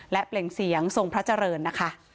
และเปล่งเสียงทรงพระเจริญนะคะ